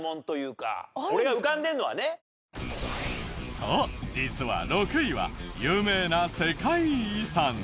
そう実は６位は有名な世界遺産。